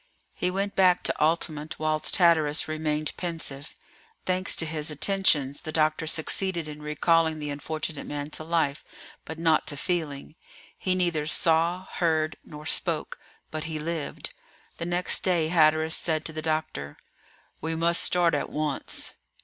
He went back to Altamont whilst Hatteras remained pensive. Thanks to his attentions, the doctor succeeded in recalling the unfortunate man to life, but not to feeling; he neither saw, heard, nor spoke, but he lived. The next day Hatteras said to the doctor: "We must start at once."